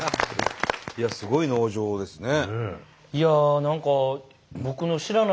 いやすごい農場ですね。